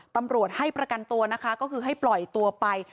ตำรวจให้ประกันตัวนะคะก็คือให้ปล่อยตัวไป